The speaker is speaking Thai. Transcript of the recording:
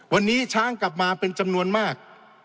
วันนี้ช้างกลับมาเป็นจำนวนมาก